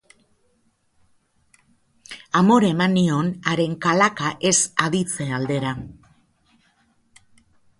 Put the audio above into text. Amore eman nion, haren kalaka ez aditze aldera.